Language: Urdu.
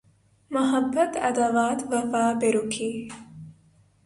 Muhabbat Adawat Wafa Berukhi